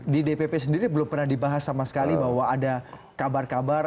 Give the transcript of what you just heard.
di dpp sendiri belum pernah dibahas sama sekali bahwa ada kabar kabar